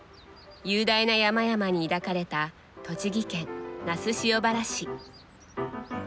雄大な山々に抱かれた栃木県那須塩原市。